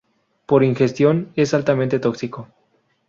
Por ingestión es altamente tóxico.